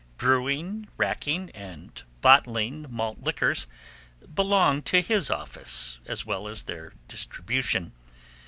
Brewing, racking, and bottling malt liquors, belong to his office, as well as their distribution.